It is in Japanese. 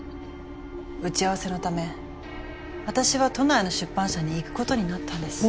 打ち合わせのため私は都内の出版社に行くことになったんです。